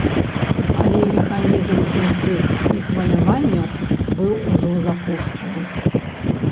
Але механізм інтрыг і хваляванняў быў ужо запушчаны.